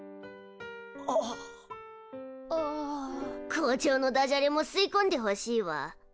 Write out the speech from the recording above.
校長のダジャレも吸いこんでほしいわ。